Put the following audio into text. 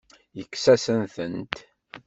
Yekkes-asent-tent.